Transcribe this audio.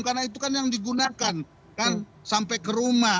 karena itu kan yang digunakan kan sampai ke rumah